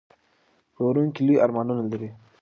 پلورونکی لوی ارمانونه لري.